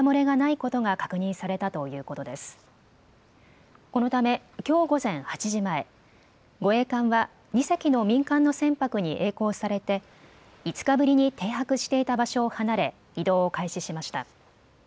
このため、きょう午前８時前、護衛艦は２隻の民間の船舶にえい航されて５日ぶりに停泊していた場所を離れ移動を開始しました。